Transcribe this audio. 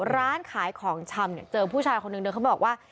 ร้านขายของชำเนี่ยเจอผู้ชายคนหนึ่งเดินเขาบอกว่า